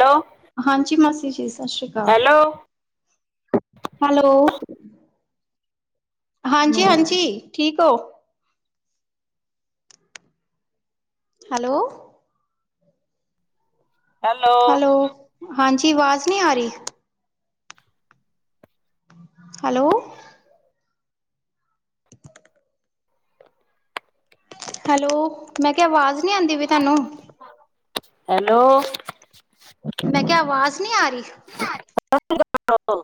Hello ਹਾਂਜੀ ਮਾਸੀ ਜੀ ਸਤਿ ਸ਼੍ਰੀ ਅਕਾਲ ਹੈਲੋ ਹੈਲੋ, ਹਾਂਜੀ -ਹਾਂਜੀ ਠੀਕ ਹੋ ਹੈਲੋ ਹੈਲੋ, ਹਾਂਜੀ ਆਵਾਜ਼ ਨਹੀਂ ਆ ਰਹੀ ਹੈਲੋ [inaudible] ਹੈਲੋ, ਮੈਂ ਕਿਹਾ ਆਵਾਜ਼ ਨਹੀਂ ਆਉਂਦੀ ਵੀ ਤੁਹਾਨੂੰ ਹੈਲੋ ਮੈਂ ਕਿਹਾ ਆਵਾਜ਼ ਨਹੀਂੀ ਆ ਰਹੀ [unintelligible] ਹੋ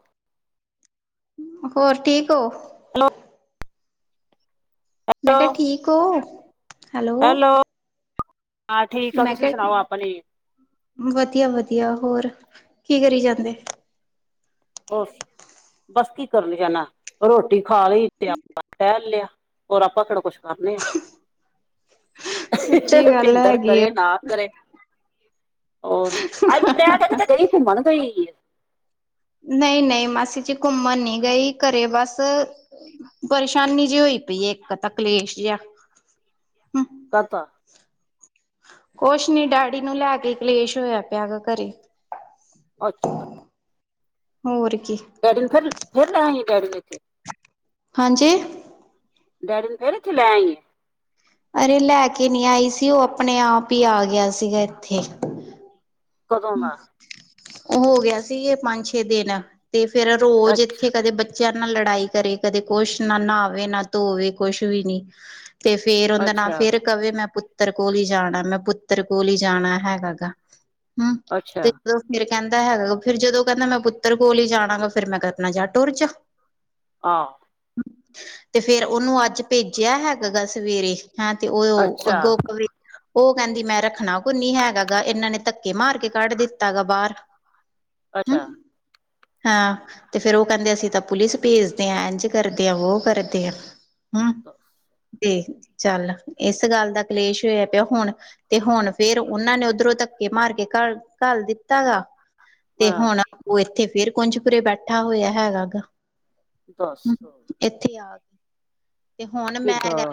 ਹੋਰ ਠੀਕ ਹੋ ਹੈਲੋ ਮੈਂ ਕਿਹਾ ਠੀਕ ਹੋ ਹੈਲੋ ਹਾਂ ਠੀਕ ਆ, ਮੈਂ ਤੁਸੀਂ ਸੁਣਾਓ ਕਿਹਾ ਆਪਣੀ ਵਧੀਆ- ਵਧੀਆ ਹੋਰ ਕੀ ਕਰੀ ਜਾਂਦੇ ਬਸ ਕੀ ਕਰਨ ਜਾਣਾ ਰੋਟੀ ਖਾ ਲਈ ਤੇ ਆਪਾਂ ਟਹਿਲ ਲਿਆ ਹੋਰ ਆਪਾਂ ਕਿਹੜਾ ਕੁਛ ਕਰਨੇ ਹ ਸੱਚੀ ਗੱਲ ਭਿੰਦਰ ਹੈਗੀ ਆ ਕਰੇ ਨਾ ਕਰੇ ਹੋਰ ਅੱਜ ਤੇ ਗਈ ਘੁੰਮਣ ਗਈ ਨਹੀਂ ਨਹੀਂ ਮਾਸੀ ਚ ਘੁੰਮਣ ਨੀ ਗਈ ਘਰੇ ਬਸ ਪਰੇਸ਼ਾਨੀ ਜੇ ਹੋਈ ਪਈ ਹੈ ਇੱਕ ਕਲੇਸ਼ ਜਿਹਾ ਕਾਤਾ ਕੁਛ ਨੀ ਡੈਡੀ ਨੂੰ ਲੈ ਕੇ ਕਲੇਸ਼ ਹੋਇਆ ਪਿਆ ਗਾ ਘਰੇ ਅੱਛਾ ਹੋਰ ਕੀ ਗੈਡੀਨ ਫਿਰ ਫੇ [unintelligible] ਰ ਰਿਹਾ ਡੈਡੀਨ ਇਥੇ ਹਾਂਜੀ। ਡੈਡੀ ਨੂੰ ਫੇਰੇ ਹੀ ਚਲੇ ਆਈਏ। ਅਰੇ ਲੈ ਕੇ ਨਹੀਂ ਆਈ ਸੀ। ਉਹ ਆਪਣੇ- ਆਪ ਹੀ ਆ ਗਿਆ ਸੀਗਾ ਇੱਥੇ। ਕਦੋਂ ਦਾ। ਉਹ ਹੋ ਗਿਆ ਸੀ। ਇਹ ਪੰਜ- ਛੇ ਦਿਨ ਤੇ ਫੇਰ ਰੋਜ਼ ਇੱਥੇ ਅੱਛਾ ਕਦੇ ਬੇ ਬੱਚਿਆਂ ਨਾਲ ਲੜਾਈ ਕਰੇ, ਕਦੇ ਕੁਛ ਨਾ ਨਹਾਵੇ, ਨਾ ਧੋਵੇ, ਕੁਛ ਵੀ ਨੀ। ਤੇ ਫੇਰ ਉਹਦਾ ਨਾਂ ਅੱਛਾ ਫੇਰ। ਕਵੇ ਮੈਂ ਪੁੱਤਰ ਕੋਲ ਹੀਈ ਜਾਣਾ। ਮੈਂ ਪੁੱਤਰ ਕੋਲ ਹੀ ਜਾਣਾ ਹੈਗਾ ਗਾ। ਹਮ ਅੱਛਾ ਤੇ ਫੇਰ ਕਹਿੰਦਾ ਹੈਗਾ। ਫਿਰ ਜਦੋਂ ਕਹਿੰਦਾ ਮੈਂ ਪੁੱਤਰ ਕੋਲ ਹੀ ਜਾਣਾ। ਗ ਫ਼ਿਰ ਮੈਂ ਕਿਰਾ ਤੁਰ ਜਾ। ਹਾਂ। ਤੇ ਫੇਰ ਉਹਨੂੰ ਅੱਜ ਭੇਜਿਆ ਹੈਗਾ ਗਾ ਸਵੇਰੇ। ਹਾਂ। ਤੇ ਉਹ ਅੱਛਾ ਅੱਗੋਂ ਕ ਉਹ ਕਹਿੰਦੀ ਮੈਂ ਰੱਖਣਾ ਕੁ ਨ ਹੈਗਾ ਗਾ। ਇਹਨਾਂ ਨੇ ਧੱਕੇ ਮਾਰ ਕੇ ਕੱਢ ਦਿੱਤੇ। ਤਗਬਾਰ। ਅੱਛਾ। ਹਾਂ। ਤੇ ਫੇਰ ਉਹ ਕਹਿੰਦੇ ਅਸੀਂ ਤਾਂ ਪੁਲਿਸ ਭੇਜਦੇ ਹਾਂ। ਇੰਝ ਕਰਦੇ ਹਾਂ, ਵੋ ਕਰਦੇ ਆ। ਹਮ। ਤੇ ਚੱਲ, ਇਸ ਗੱਲ ਦਾ ਕਲੇਸ਼ ਹੋਇਆ ਪਿਆ ਹੁਣ। ਤੇ ਹੁਣ ਫੇਰ ਉਹਨਾਂ ਨੇ ਉੱਧਰੋਂ ਧੱਕੇ ਮਾਰ ਕੇ ਘ ਘਲ ਦਿੱਤਾ ਗਾ। ਤੇ ਹਾਂ ਹੁਣ ਉਹ ਇੱਥੇ ਫੇਰ ਕੁੰਜਪੁਰੇ ਬੈਠਾ ਹੋਇਆ ਹੈਗਾ ਗਾ। ਹਮ ਦੱਸ। ਇੱਥੇ ਆ ਕੇ, ਤੇ ਹੁਣ ਮੈਂ ਕਿੱਡਾ ਗ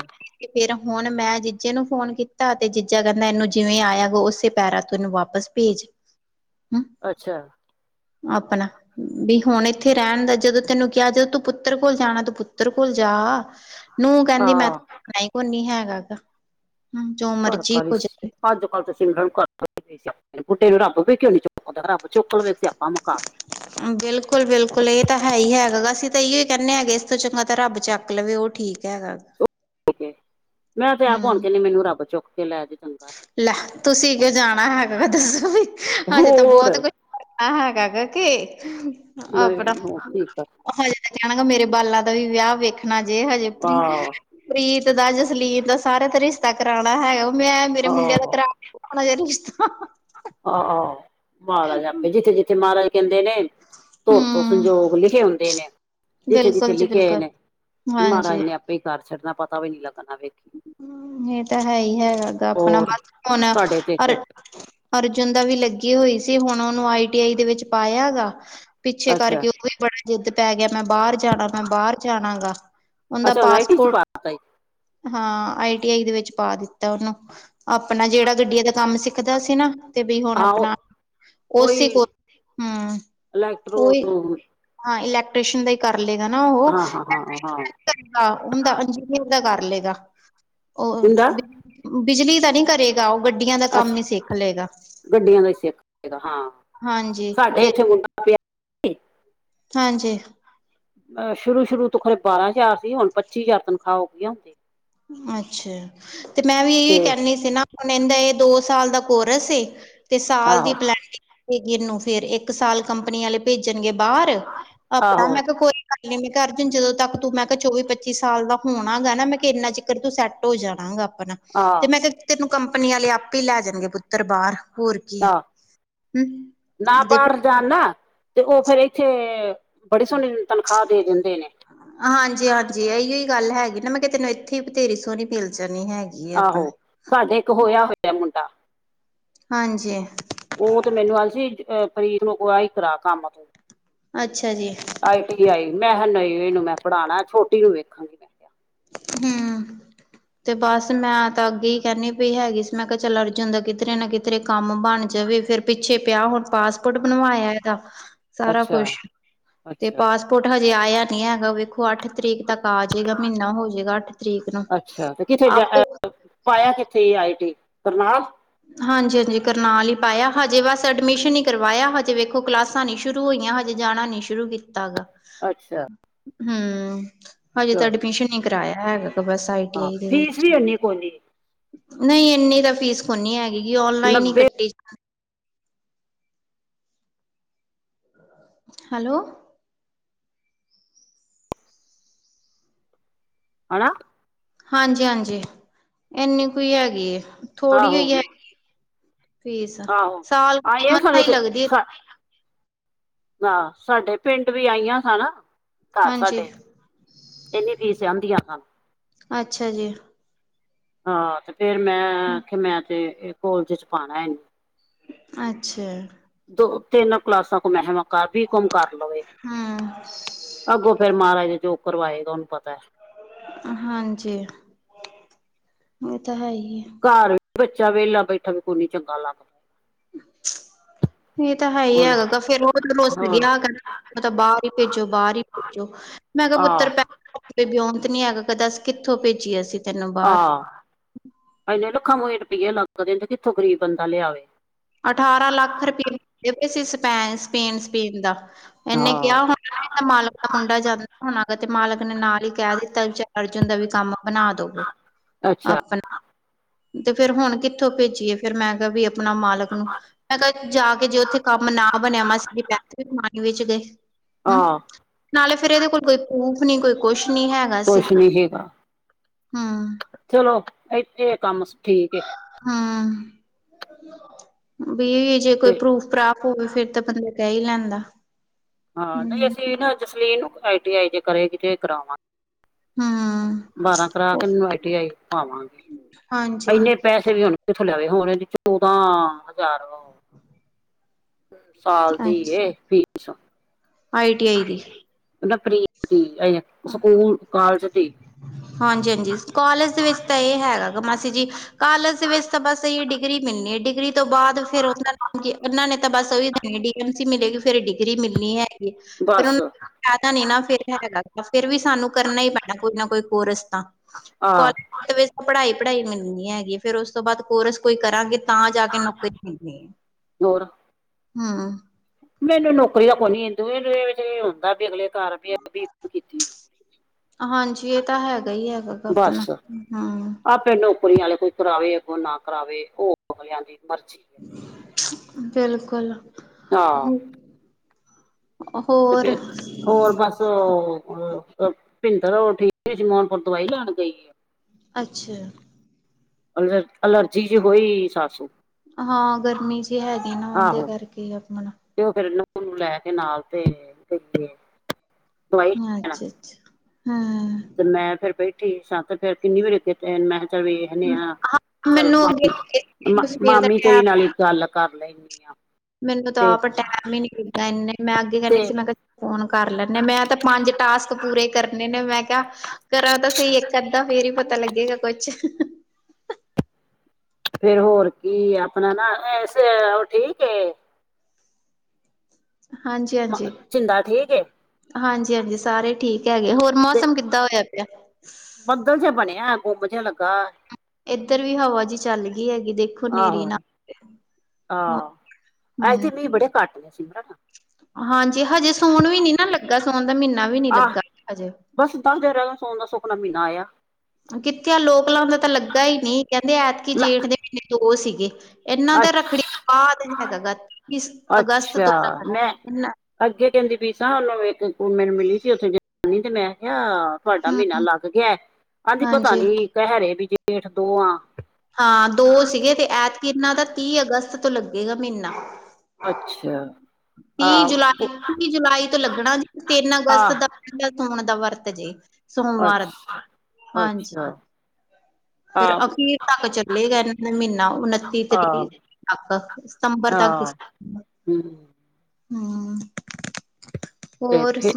ਤੇ ਫੇਰ ਹੁਣ ਮੈਂ ਜੀਜੇ ਨੂੰ ਫੋਨ ਕੀਤਾ। ਤੇ ਜੀਜਾ ਕਹਿੰਦਾ ਇਹਨੂੰ ਜਿਵੇਂ ਆਇਆ ਗ ਉਸੇ ਪੈਰਾਾਂ ਤ ਇਹਨੂੰ ਵਾਪਸ ਭੇਜ। ਹਮ। ਅੱਛਾ। ਆਪਣਾ ਵੀ ਹੁਣ ਇੱਥੇ ਰਹਿਣ ਦਾ ਜਦੋਂ ਤੈਨੂੰ ਕਿਹਾ ਜਦੋਂ ਤੂੰ ਪੁੱਤਰ ਕੋਲ ਜਾਣਾ, ਤੂੰ ਪੁੱਤਰ ਕੋਲ ਜਾ। ਨੂੰਹ ਕਹਿੰਦੀ ਮੈਂ ਹਾਂ ਤਣਾ ਹੀ ਕੋੁੰਨੀ ਹੈਗਾ। ਜੋ ਪਰਰ ਮਰਜੀ ਹੋ ਕਰਸ਼। ਜਾਵੇ ਅੱਜ ਕੱਲ ਤੁਸੀ ਗੁੱਡੇ ਨੂੰ ਰੱਬ ਵੀ ਕਿਉਂ ਨੀ ਚੁੱਕਦਾ, ਰੱਬ ਚੁੱਕਲੈਵੇ ਸਾਪਾਂ ਮੁਕਾ। [inaudible] ਬਿਲਕੁਲ- ਬਿਲਕੁਲ ਇਹ ਤਾਂ ਹੈ ਹੀ ਹੈਗਾ ਗਾ। ਅਸੀਂ ਤਾਂ ਇੋ ਹੀ ਕਹਿੰਦੇ ਹਾਂਗੇ, ਇਸ ਤੋਂ ਚੰਗਾ ਤਾਂ ਰੱਬ ਚੱਕ ਲਵੇ ਉਹ ਠੀਕ ਹੈਗਾ। [inaudible] ਮੈਂ ਤੇ ਗਾ ਆਪ ਹੁਣ ਹੂੰ ਕੇਹਿਦੀ ਨ। ਮੈਨੂੰ ਰੱਬ ਚੁੱਕ ਕੇ ਲੈ ਜਾਏ। ਲੈ ਤੁਸੀਂ ਕਿਉ ਜਾਣਾ ਹੈਗਾ। ਦੱਸੋ ਵੀ, ਹਜੇ ਤਾਂ ਹੋਰ ਬਹੁਤ ਕੁਛ ਆ ਹਾਂ ਕ ਕ ਕੀ, ਅਪਣਾ ਨਹੀਂ ਹੋਰ ਕੀ ਕਰ ਮੈਂ ਕਹਿਣ ਗਾ ਮੇਰੇ ਬਾਲਾਂ ਦਾ ਵੀ ਵਿਆਹ ਵੇਖਣਾ ਜੇ ਹਜੇ ਉਪਰੀ ਆਹ ਪ੍ਰੀਤ ਦਾ, ਜਸਲੀਨ ਦਾ ਸਾਰਿਆਂ ਦਾ ਰਿਸ਼ਤਾ ਕਰਾਉਣਾ ਹੈਗਾ। ਉਹ ਮੈਂ ਮੇਰੇ ਮੁੰਡਿਆਂ ਦਾ ਕਰਾ। ਹਜੇ ਜਾਰੀ ਇਸ਼ ਆਹੋ ਆਹੋ! ਮਹਾਰਾਜ ਆਪੇ ਜਿੱਥੇ- ਜਿੱਥੇ ਮਹਾਰਾਜ ਕਹਿੰਦੇ ਨੇ। ਤੁਰ ਤੋਂ ਹੂੰ ਸੰਜੋਗ ਲਿਖੇ ਹੁੰਦੇ ਨੇ। ਜਿੱਥੇ -ਜਿੱਥੇ ਬਿਲਕੁਲ ਜੀ ਲਿਖੇ ਹੋਏ ਬਿਲਕੁਲ ਨੇ। ਮਹਾਰਾਜ ਹਾਂਜੀ ਨੇ ਆਪੇ ਹੀ ਘਰ ਛੱਡਣਾ ਪਤਾ ਵੀ ਨੀ ਲੱਗਣਾ ਵੇਖ। ਇਹ ਤਾਂ ਹੈ ਹੀ ਹੈ ਹੈਗਾ। ਆਪਣਾ ਹੋਰ ਬਸ ਹੁਣਰ। ਸਾਡੇ ਤੇ ਇੱਕ ਅਰਜੁਨ ਦਾ ਵੀ ਲੱਗੀ ਹੋਈ ਸੀ ਹੁਣ ਉਹਨੂੰ ਆ ਈ ਟੀ ਆਈ ਦੇ ਵਿੱਚ ਪਾਇਆ ਗਾ। ਪਿੱਛੇ ਅੱਛਾ ਕਰਕੇ ਉਹ ਵੀ ਬੜਾ ਜਿੱਦ ਪੈ ਗਿਆ ਮੈਂ ਬਾਹਰ ਜਾਣਾ, ਮੈਂ ਬਾਹਰ ਜਾਣਾ ਗਾ। ਉਹਦਾ ਅੱਛਾ ਨ ਆਈ ਟੀ ਚ' ਪਾਸਪੋਰਟ ਪਤਾ ਆ। ਹਾਂ। ਆ ਈ ਟੀ ਆਈ ਦੇ ਵਿੱਚ ਪਾ ਦਿੱਤਾ। ਉਹਨੂੰ ਆਪਣਾ ਜਿਹੜਾ ਗੱਡੀਆਂ ਦਾ ਕੰਮ ਸਿੱਖਦਾ ਸੀ ਨਾ। ਤੇ ਵੀ ਹੁਣ ਹਾਂ ਉਹ ਆਪਣਾ, ਉਸ ਉਹੀ ਕੋਲ, ਹਮ। ਇਲੈਕਟ੍ਰੋ ਉਹੀ, ਹਾਂ। ਇਲੈਕਟ੍ਰੀਸ਼ਸ਼ਨ ਦਾ ਹੀ ਕਰ ਲਏਗਾ ਨਾ ਉਹ। ਹਾਂ ਹਾਂ ਹਾਂ ਹਾਂ [unintelligible] ਉਹ ਹੁੰਦਾ ਬਿਜਲੀ ਦਾ ਨਹੀਂ ਕਰੇਗਾ, ਉਹ ਗੱਡੀਆਂ ਦਾ ਕੰਮ ਹੀ ਅੱਛਾ ਸਿੱਖ ਲਏਗਾ। ਗੱਡੀਆਂ ਦਾ ਹੀ ਸਿੱਖ ਲਏਗਾ ਹਾਂ, ਹਾਂਜੀ ਸਾਡੇ ਤੇ ਇੱਥੇ ਮੁੰਡਾ ਪਿਆ ਸੀ ਹਾਂਜੀ। ਸ਼ੁਰੂ ਸ਼ੁਰੂ ਤੋਂ ਖਰੇ ਬਾਰਾਂ ਹਜ਼ਾਰ ਸੀ, ਹੁਣ ਪੱਚੀ ਹਜ਼ਾਰ ਤਨਖਾਹ ਹੋ ਗਈ ਹੁੰਦੀ। ਅੱਛਾ, ਤੇ ਮੈਂ ਵੀ ਇਹਹੀ ਤੇ ਕਹਿੰਦੀ ਸੀ ਨਾ। ਹੁਣ ਇਹਹਿੰਦਾ ਇਹ ਦੋ ਸਾਲ ਦਾ ਕੋਰਸ ਤੇ ਸਾਲ ਆਹੋ ਦੀ ਪਲਡਿੰਗ। ਨੂੰ ਫੇਰ ਇੱਕ ਸਾਲ ਕੰਪਨੀ ਵਾਲੇ ਭੇਜਣਗੇ ਬਾਹਰ। ਆਪਣਾ ਆਹੋ ਮੈਂ ਕਿਹਾ ਕੋਈ ਕਰ ਲਈ ਮੈਂ ਕਿਹਾ ਅਰਜੁਨ ਜਦੋਂ ਤੱਕ ਤੂੰ ਮੈਂ ਕਿਹਾ ਚੌਵੀ ਪੱਚੀ ਸਾਲ ਦਾ ਹੋਣਾ ਗਾ ਨਾ ਮੈਂ ਇੰਨਾ ਚਿੱਕਰ ਤੂੰ ਸੈੱਟ ਹੋ ਜਾਣਾ ਹੈਗਾ ਆਪਣਾ, ਤੇ ਆਹ ਮੈਂ ਕਿਹਾ ਤੈਨੂੰ ਕੰਪਨੀ ਵਾਲੇ ਆਪੇ ਲੈ ਜਾਣਗੇ, ਪੁੱਤਰ ਬਾਹਰ। ਹੋਰ ਕੀ ਆਹ ਨਾ ਹਮ ਦੇ ਬਾਰ ਜਾਂਦਾ, ਤੇ ਉਹ ਫੇਿਰ ਇੱਥੇ ਬੜੇ ਸੋਹਣੀ ਤਨਖਾਹ ਦੇ ਦਿੰਦੇ ਨੇ। ਹਾਂਜੀ, ਹਾਂਜੀ! ਇਹੀ ਹੀ ਗੱਲ ਹੈਗੀ ਨਾ। ਮੈਂ ਕਿ, ਤੈਨੂੰ ਇੱਥੇ ਹੀ ਬਥੇਰੀ ਸੋਹਣੀ ਮਿਲ ਜਾਣੀ ਹੈਗੀ। ਆ ਆਪਣਾ ਆਹੋ, ਸਾਡੇ ਇੱਕ ਹੋਇਆ ਹੋਇਆ ਮੁੰਡਾ ਹਾਂਜੀ। ਉਹ ਤੇ ਮੈਨੂੰ ਆੱਲ ਸੀ, ਪ੍ਰੀਤ ਨੂੰ ਆਹੀ ਕਰਾ ਕੰਮ ਅੱਛਾ ਜੀ। I T I. ਮੈਂ ਕਿਹਾ, ਨਹੀਂ ਇਨੂੰ ਮੈਂ ਪੜ੍ਹਾਣਾ। ਛੋਟੀ ਨੂੰ ਵੇਖਾਂਗੀ ਕਿਹਾ। ਹਮ। ਤੇ ਬਸ ਮੈਂ ਤਾਂ ਅੱਗੇ ਹੀ ਕਹਿਣੀ ਪਈ ਹੈਗੀ ਸੀ। ਮੈਂ ਕਿਹਾ, ਚੱਲ ਅਰਜੁਨ ਦਾ ਕਿੱਧਰੇ ਨਾ ਕਿੱਧਰੇ ਤੇ ਕੰਮ ਬਣ ਜਾਵੇ, ਫਿਰ ਪਿੱਛੇ ਪਿਆ। ਹੁਣ ਪਾਸਪੋਰਟ ਬਣਵਾਇਆ ਇਹਦਾ ਸਾਰਾ ਕੁਛ ਅੱਛਾ ਤੇ ਅੱਛਾ ਪਾਸ ਕੋਟ ਹਜੇ ਆਇਆ ਨੀ ਹੈਗਾ। ਵੇਖੋ ਅੱਠ ਤਰੀਕ ਤੱਕ ਆ ਜਾਵੇਗਾ ਮਹੀਨਾ। ਫੇਰ ਅੱਠ ਤਰੀਕ ਨੂੰ। ਅੱਛਾ ਤੇ ਕਿੱਥੇ ਜਾ ਆਪੇ ਅ, ਪਾਇਆ ਕਿੱਥੇ ਆਈ ਟੀ, ਕਰਨ ਲਾ। ਹਾਂਜੀ- ਹਾਂਜੀ, ਕਰਨਾਲ ਹੀ ਪਾਇਆ, ਹਜੇ ਬਸ ਐਡਮਿਸ਼ਨ ਹੀ ਕਰਵਾਇਆ ਹੈ, ਹਜੇ ਕਲਾਸ ਵੇਖੋ ਬੱਸਾਂ ਨਹੀਂ ਸ਼ੁਰੂ ਹੋਈਆਂ ਹਜੇ, ਜਾਣਾ ਨਹੀਂ ਸ਼ੁਰੂ ਕੀਤਾ ਗਿਆ। ਅੱਛਾ। ਹੂੰ, ਹਜੇ ਚਲੋ ਤਾਂ ਐਡਮਿਸ਼ਨ ਹੀ ਕਰਵਾਇਆ ਹੈਗਾ। ਬਸ ਆਈਟੀ ਹਾਂ ਆਈ ਦੇ ਫੀਸ ਵਿੱਚ ਵੀ ਇੰਨੀ ਕੋਨੀ ਨਹੀਂ, ਇੰਨੀ ਤਾਂ ਫੀਸ ਕੋਈ ਨਹੀਂ ਹੈਗੀ। ਔਨਲਾਈਨ ਹੀ ਨੱਬੇ ਕੱਟੀ ਹੈਲੋ, ਹੰਨਾ। ਹਾਂਜੀ- ਹਾਂਜੀ। ਇੰਨੀ ਕੁ ਹੀ ਹੈਗੀ, ਥੋੜ੍ਹੀ ਆਹੋ ਹੋਈ ਹੈਗੀ ਫੀਸ ਆਹੋ ਸਾਲ ਆਈਆਂ ਸਾਡੇ ਵਿੱਚ ਤੇ ਲੱਗਦੀ ਹੈ। ਸਾ- ਹਾਂ, ਸਾਡੇ ਪਿੰਡ ਵੀ ਆਈਆਂ ਸਨ ਘਰ ਹਾਂਜੀ ਸਾਡੇ। ਇੰਨੇ ਫੀਸ ਆਉਂਦੀ ਆ। ਅੱਛਾ ਜੀ। ਹਾਂ, ਤੇ ਫੇਰ ਮੈਂ ਆਖਿਆ ਮੈਂ ਤੇ ਇਹ ਕੋਲਜ ਚ ਪਾਉਣਾ ਇਹਨੂੰ। ਅੱਛਾ ਦੋ ਤਿੰਨ ਕਲਾਸਾਂ ਕੋ ਮੈਂਵ ਕਰ ਵੀ ਕੁਮ ਕਰ ਲਵੇ [unintelligible] ਹੂੰ ਅੱਗੋਂ ਫੇਰ ਮਹਾਰਾਜ ਜੋ ਕਰਵਾਏਗਾ ਉਹਨੂੰ ਪਤਾ। ਹਾਂਜੀ ਇਹ ਤਾਂ ਹੈ ਹੀ। ਹੈ ਘਰ ਵੀ ਬੱਚਾ ਵੇਲਾ ਬੈਠਾ ਵੀ ਕੋਨੀ ਚੰਗਾ ਲੱਗਦਾ। ਇਹ ਤਾਂ ਹੈ ਹੀ ਹੁਣ ਹੈਗਾਾ ਫੇਰ ਉਹਲੁਸ ਹੋਰ ਗਿਆ ਕਿੰ [unintelligible] [inaudible] ਮਤਾ ਬਾਹਰ ਹੀ ਭੇਜੋ, ਬਾਹਰ ਹੀ ਭੇਜੋ ਮੈਂ ਕਿਹਾ ਆਹ ਪੁੱਤਰ ਪੈ ਕੋਈ ਬਿਉਂਤ ਨੀ ਹੈਗਾ ਕਾ ਦੱਸ ਕਿੱਥੋਂ ਭੇਜੀਏ ਅਤੇ ਆਹ! ਇੰਨੇ ਲੱਖਾਂ ਮੁਹੇ ਰੁਪਈਏ ਲੱਗਦੇ ਕਿੱਥੋਂ ਗਰੀਬ ਬੰਦਾ ਲਿਆਵੇ। ਅਠਾਰਾਂ ਲੱਖ ਰੁਪਏ ਕਹਿੰਦੇ ਪਏ ਸੀ ਸਪੇਨ ਸਪੇਨ ਦਾ ਇਹਨੇ ਹਾਂ ਕਿਹਾ ਹੋਣਾ ਮਾਲਕ ਦਾ ਮੁੰਡਾ ਜਾਂਦਾ ਹੁਣਾ ਅ ਤੇ ਮਾਲਕ ਨੇ ਨਾਲ ਹੀ ਕਹਿ ਦਿੱਤਾ ਵੀ ਚੱਲ ਅਰਜੁਨ ਦਾ ਵੀ ਕੰਮ ਬਣਾ ਦਵੋ ਅੱਛਾ ਆਪਣਾ ਤੇ ਫੇਰ ਹੁਣ ਕਿੱਥੋਂ ਭੇਜੀਏ ਫੇਰ ਮੈਂ ਕਿਹਾ ਵੀ ਆਪਣਾ ਮਾਲਕ ਮੈਂ ਕਿਹਾ ਜਾ ਕੇ ਜੇ ਉੱਥੇ ਕੰਮ ਨਾ ਬਣਿਆ ਮਾਸੀ ਦੇ ਪੈਸੇ ਵਿੱਚ ਗਏ ਹਮ ਆਹ ਨਾਲੇ ਫੇਰ ਇਹਦੇ ਕੋਲ ਕੋਈ ਉਹ ਨ ਕੋਈ ਕੁਛ ਨੀ ਹੈਗਾ ਸੀ ਕੁਛ ਨੀ ਹੈਗਾ ਹਮ ਚਲੋ ਇੱਥੇ ਕੰਮ ਠੀਕ ਏ ਹਾਂ ਵੀ ਜੇ ਕੋਈ ਤੇ ਪਰੂਫ ਪਰਾਫ ਹੋਵੇ ਫਿਰ ਤਾਂ ਬੰਦੇ ਕ ਹੀ ਲੈਂਦਾ ਹਾਂ ਨਹੀਂ ਹੂੰ ਅਸੀਂ ਨਾ ਜਸਲੀਨ ਨੂੰ ਆਈ ਟੀ ਆਈ ਜੇ ਕਰੇਗੀ ਤੇ ਕਰਾਵਾਂਗੇ ਬਾਰਾਂ ਕਰਾ ਹੂੰ ਕੇ ਇਹਨੂੰ ਆਈਟੀ ਪਾਵਾਂਗੇ ਹਾਂਜੀ। ਇਨੇ ਪੈਸੇ ਵੀ ਹੁਣ ਕਿੱਥੋਂ ਲਿਆਵੇ ਹੁਣ ਇਹਦੀ ਚੌਦਾਂ ਹਜ਼ਾਰ ਸਾਲ ਦੀ ਅੱਛਾ ਏ ਫੀਸ ਆਈ ਟੀ ਆਈ ਦੀ ਨਾ ਪ੍ਰੀਤ ਦੀ ਅ ਸਕੂਲ ਕਾਲਜ ਦੀ ਹਾਂਜੀ ਹਾਂਜੀ ਕਾਲਜ ਦੇ ਵਿੱਚ ਤਾਂ ਇਹ ਹੈਗਾ ਮਾਸੀ ਜੀ ਕਾਲਜ਼ ਦੇ ਵਿੱਚ ਤਾਂ ਬਸ ਇਹੀ ਡਿਗਰੀ ਮਿਲਣੀ ਹੈ, ਡਿਗਰੀ ਤੋਂ ਬਾਅਦ ਫਿਰ ਉਹਦਾ ਕਾਮ ਕੀ ਉਹਨਾਂ ਨੇ ਤਾਂ ਬਸ ਉਹੀ ਡੀ ਐਮ ਸੀ ਮਿਲੇਗੀ, ਫਿਰ ਡਿਗਰੀ ਮਿਲਣੀ ਹੈਗੀ। ਫਿਰ, ਬਸ ਜਿਆਦਾ ਨੀ ਨਾ, ਫਿਰ [unintelligible] ਹੈਗਾ। ਫਿਰ ਵੀ ਸਾਨੂੰ ਕਰਨਾ ਹੀ ਪੈਣਾ, ਕੁਛ ਨਾ ਕੋਈ ਕੋਰਸ ਤਾਂ ਆਹ ਕਾਲ ਫਿਰ ਵੀ ਤਾਂ ਪੜ੍ਹਾਈ-ਪੜ੍ਹਾਈ ਮਿਲਣੀ ਹੈਗੀ, ਫੇਰ ਉਸ ਤੋਂ ਬਾਅਦ ਕੋਰਸ ਕੋਈ ਕਰਾਂਗੇ ਤਾਂ, ਜਾਕੇ ਨੌਕਰੀ ਮਿਲਣੀ ਏ, ਹੋਰ ਹੂੰ। ਮੈਨੂੰ ਨੌਕਰੀ ਦਾ ਕੋਈ ਨੀ, ਦੁਏ ਨੀ ਵੇਖ-ਵੇਖ ਏ ਹੁੰਦਾ, ਵੀ ਅਗਲੇ ਘਰ ਬੀਏਡ ਕੀਤੀ ਹੋਈ। ਹਾਂਜੀ, ਇਹ ਤਾਂ ਹੈਗਾ ਹੀ ਹੈਗਾ, ਇਕ ਅਪਣਾ ਹਾਂ। ਫਿਰ ਨੌਕਰੀਆਂ ਵਾਲੇ ਕੋਈ ਕਰਾਵੇ, ਅੱਗੋਂ ਨਾ ਕਰਾਵੇ, ਉਹ ਅਗਲਿਆਂ ਦੀ ਮਰਜ਼ੀ। ਬਿਲਕੁੱਲ। ਆਹ! ਤੇ ਹੋਰ ਫਿਰ, ਹੋਰ ਬਸ ਪ੍ਹੀੰਦਰ ਉਹ ਠੀਕ? ਜ਼ਮਾਨਪੁਰ ਦਵਾਈ ਲੈਣ ਗਈ ਏ? ਅੱਛਾ। ਅਲਰਜੀ ਜੀ ਹੋਈ, ਸੱਸ ਹਾਂ, ਗਰਮੀ ਜੀ ਹੈਗੀ ਨਾ, ਉਹਦੇ ਕਰਕੇ ਆਪਣਾ ਤੇ, ਉਹ ਫੇਰ ਨੂੰਹ ਨੂੰ ਲੈਕੇ ਨਾਲ, ਤੇ ਪੇਕੇ ਦਵਾਈ ਲੈਣ ਅੱਛਾ-ਅੱਛਾ, ਹਾਂ। ਤੇ ਮੈਂ ਫਿਰ ਬੈਠੀ ਸਾਂ, ਤੇ ਫਿਰ ਕਿੰਨੀ ਵਾਰੀ ਅੱਗੇ ਤੇ, ''ਮੈਂ ਚੱਲ ਵੇਖਨੇ ਆਂ, ਹਾਂ ਚੱਲ ਮੈਨੂੰ ਅੱਗੇ ਮਾਮੀ, ਸਵੇਰ ਦਾ ਮਾਮੀ ਟੈਮ ਤੇਰੀ ਨਾਲ ਹੀ ਗੱਲ ਕਰ ਲੈਂਨੀ ਆ। ਮੈਨੂੰ ਤਾਂ ਤੇ ਆਪ ਟੈਮ ਹੀ ਨੀ ਲੱਗਦਾ, ਇੰਨੇ, ਮੈਂ ਅੱਗੇ ਕਹਿੰਦੀ ਤੇ ਸੀ ਮੈਂ ਕਿਹਾ ਫੋਨ ਕਰ ਲੈਨੇ, ਮੈਂ ਤਾਂ ਪੰਜ ਟਾਸਕ ਪੂਰੇ ਕਰਨੇ ਨੇ, ਮੈਂ ਕਿਹਾ ਕਰਾ ਤਾਂ ਸਹੀ ਇੱਕ-ਅੱਧਾ ਫੇਰ ਹੀ ਪਤਾ ਲੱਗੇਗਾ, ਕੁਛ। ਫਿਰ ਹੋਰ ਕੀ ਆਪਣਾ ਨਾ, ਐਸੇ ਓ ਠੀਕ ਏ? ਹਾਂਜੀ-ਹਾਂਜੀ। ਛਿੰਦਾ ਠੀਕ ਏ ਹਾਂਜੀ-ਹਾਂਜੀ, ਸਾਰੇ ਠੀਕ ਹੈਗੇ। ਹੋਰ, ਤੇ ਮੌਸਮ ਕਿੱਦਾਂ ਹੋਇਆ ਪਿਆ? ਬੱਦਲ ਜਿਹਾ ਬਣਿਆ, ਗੁੰਮ ਜਿਹਾ ਲੱਗਾ। ਇੱਧਰ ਵੀ ਹਵਾ ਜੀ ਚੱਲ ਗਈ ਹੈਗੀ, ਦੇਖੋ ਹਨੇਰੀ ਆਹੋ ਨਾ ਆਵੇ। ਆਹ, ਐਥੇ ਮੀਂਹ ਬੜੇ ਘੱਟ ਸੀ ਨਾ। ਹਾਂਜੀ, ਹਜੇ ਸੋਣ ਵੀ ਨੀ ਨਾ ਲੱਗਾ, ਸੋਣ ਦਾ ਮਹੀਨਾ ਵੀ ਨੀ ਆਹ ਲੱਗਾ ਹਜੇ। ਬਸ ਦੱਸ ਦਿਨ ਰਹਿਗੇ, ਸੋਣ ਦਾ ਸੁਖਨਾ ਮਹੀਨਾ ਆਇਆ। ਕਿੱਥੇ ਲੋਕਲਾਂ ਦਾ ਤਾਂ ਲੱਗਾ ਹੀ ਨਹੀਂ। ਕਹਿੰਦੇ, ਐਤਕੀ ਲੈ ਜੇਠ ਦੇ ਮਹੀਨੇ ਦੋ ਸੀਗੇ। ਇਹਨਾਂ ਦਾ ਅੱਛ ਰੱਖੜੀ ਤੋਂ ਬਾਅਦ ਹੈਗਾ, ਇੱਕੀ ਅਗਸਤ ਤੋਂ ਅੱਛਾ ਰੱਖਣਾ ਮੈਂ ਇਹਨਾ ਅੱਗੇ ਕੇਂਦੀ ਪਈ ਸਾਂ, ਉਹਨੂੰ ਵੇਖਕੇ, ਮੈਨੂੰ ਮਿਲੀ ਸੀ ਉਥੇ ਜਨਾਨੀ, ਤੇ ਮੈਂ ਕਿਹਾ ਤੁਹਾਡਾ ਮਹੀਨਾ ਹਮ ਲੱਗ ਗਿਆ, ਆਂਦੀ ਪਤਾ ਹਾਂਜੀ ਨੀ ਕਹਿ ਰਹੇ, ਵੀ ਜੇਠ ਦੋਂ ਆਂ। ਹਾਂ, ਦੋ ਸੀਗੇ ਤੇ, ਐਤਕੀ ਇਹਨਾਂ ਦਾ ਤੀਹ ਅਗਸਤ ਤੋਂ ਲੱਗੇਗਾ ਮਹੀਨਾ। ਅੱਛਾ ਆ ਤੀਹ ਜੁਲਾਈ, ਤੀਹ ਜੁਲਾਈ ਤੋਂ ਲੱਗਣਾ ਜੀ, ਤਿੰਨ ਆ ਅਗਸਤ ਦਾ। ਮੇਰਾ ਸੋਣ ਦਾ ਵਰਤ ਜੇ, ਸੋਮਵਾਰ ਦਾ, ਅੱਛਾ ਅੱਛਾ ਹਾਂਜੀ। ਫਿਰ ਆ ਅਖ਼ੀਰ ਤੱਕ ਚੱਲੇਗਾ ਇਹਨਾਂ ਦਾ ਮਹੀਨਾ, ਉਨੱਤੀ ਤਰੀ ਆ ਅਕਸਰ, ਸਤੰਬਰ ਤੱਕ ਹੀ। ਹੂੰ। ਹਾਂ। ਬੇਠੇ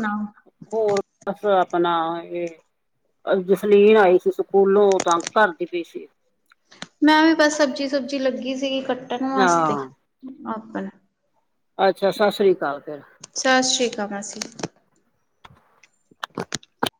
ਹੋਰ, ਬਸ ਆਪਣਾ ਇਹ ਜਸਲੀਨ ਆਈ ਸੀ, ਸੁ ਸਕੂਲੋਂ। ਤੰਗ ਕਰਦੀ ਪਈ ਸੀ। ਮੈਂ, ਵੀ ਬਸ ਸਬਜ਼ੀ-ਸੁਬਜੀ ਲੱਗੀ ਸੀਗੀ ਕੱਟਣ ਵਾਸਤੇ। ਹਾਂ ਆਪਨਾ ਅੱਛਾ, ਸੱਸ ਸ੍ਰੀ ਅਕਾਲ ਫਿਰ। ਸਤਿ ਸ਼੍ਰੀ ਅਕਾਲ ਮਾਸੀਜੀ। [unintelligible]